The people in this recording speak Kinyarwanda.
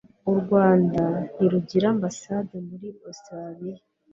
u Rwanda ntirugira ambasade muri Australia